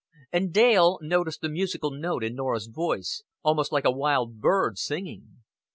And Dale noticed the musical note in Norah's voice, almost like a wild bird singing.